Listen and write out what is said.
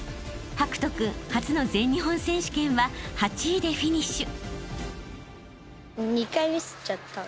［博仁君初の全日本選手権は８位でフィニッシュ］